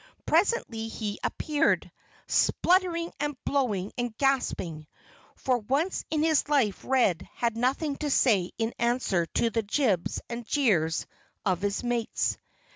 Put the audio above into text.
Presently he appeared, spluttering and blowing and gasping. For once in his life Red had nothing to say in answer to the jibes and jeers of his mates.